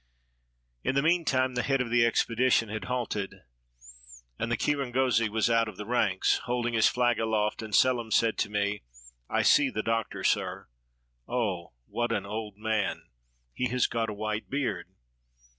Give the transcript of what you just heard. In the mean time, the head of the expedition had halted, and the kirangozi was out of the ranks, holding his flag aloft, and Selim said to me, "I see the Doctor, sir. Oh, what an old man! He has got a white beard."